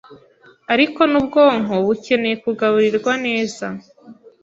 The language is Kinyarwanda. ariko n’ubwonko bukeneye kugaburirwa neza